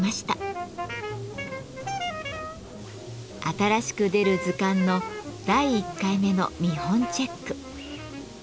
新しく出る図鑑の第１回目の見本チェック。